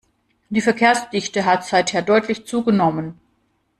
Die Verkehrsdichte hat seither deutlich zugenommen.